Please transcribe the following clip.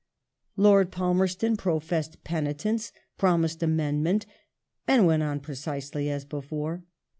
^/ Lord Palmerston professed penitence, promised amendment, and went on precisely as before.